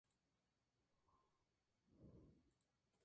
La marca fue fundada en Nueva York.